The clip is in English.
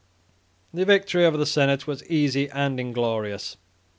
The victory over the senate was easy and inglorious.